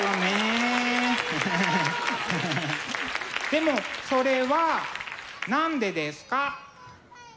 でもそれは何でですか？